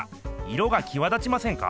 色がきわ立ちませんか？